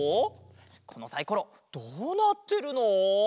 このサイコロどうなってるの？